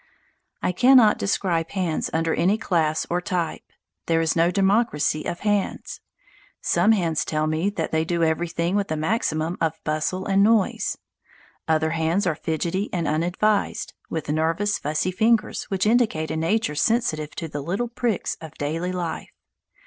I cannot describe hands under any class or type; there is no democracy of hands. Some hands tell me that they do everything with the maximum of bustle and noise. Other hands are fidgety and unadvised, with nervous, fussy fingers which indicate a nature sensitive to the little pricks of daily life.